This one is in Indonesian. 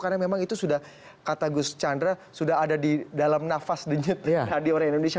karena memang itu sudah kata gus chandra sudah ada di dalam nafas denyet di orang indonesia